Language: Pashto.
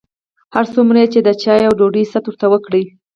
هر څومره یې چې د چایو او ډوډۍ ست ورته وکړ.